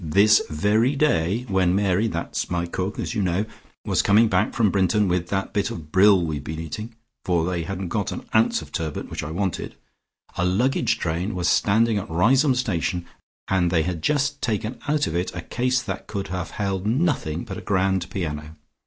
"This very day, when Mary, that's my cook as you know, was coming back from Brinton with that bit of brill we've been eating, for they hadn't got an ounce of turbot, which I wanted, a luggage train was standing at Riseholme station, and they had just taken out of it a case that could have held nothing but a grand piano.